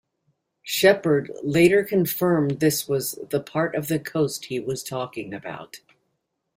Shepherd later confirmed this was the part of the coast he was talking about.